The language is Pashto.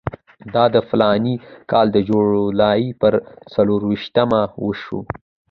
دا د فلاني کال د جولای پر څلېرویشتمه وشو.